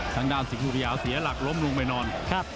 ทางด้านสิงหุยาเสียหลักล้มลงไปนอน